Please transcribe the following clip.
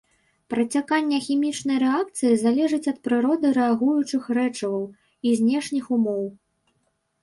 Працяканне хімічнай рэакцыі залежыць ад прыроды рэагуючых рэчываў і знешніх умоў.